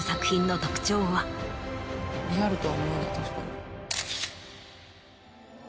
リアルとは思えない確かに。